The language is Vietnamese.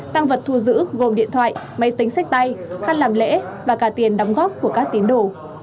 tăng vật thu giữ gồm điện thoại máy tính sách tay khăn làm lễ và cả tiền đóng góp của các tín đồ